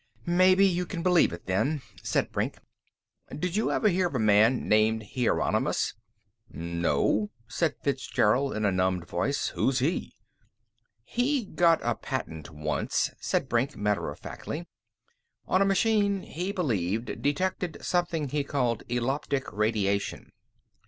"Maybe you can believe it, then," said Brink. "Did you ever hear of a man named Hieronymus?" "No," said Fitzgerald in a numbed voice. "Who's he?" "He got a patent once," said Brink, matter of factly, "on a machine he believed detected something he called eloptic radiation.